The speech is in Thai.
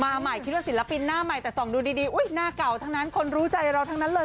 ใหม่คิดว่าศิลปินหน้าใหม่แต่ส่องดูดีอุ๊ยหน้าเก่าทั้งนั้นคนรู้ใจเราทั้งนั้นเลย